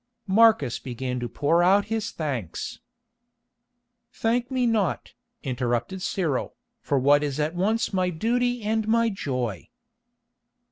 Marcus began to pour out his thanks. "Thank me not," interrupted Cyril, "for what is at once my duty and my joy."